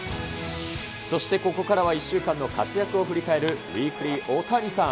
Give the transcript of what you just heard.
そしてここからは１週間の活躍を振り返る、ウィークリーオオタニサン！